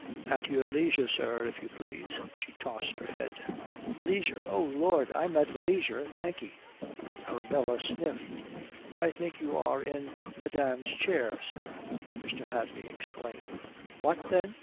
"At your leisure, sir, if you please." She tossed her head. "Leisure! Oh Lord, I'm at leisure, thank 'e." Arabella sniffed. "I think you are in madame's chair, sir," Mr. Hadley explained. "What, then?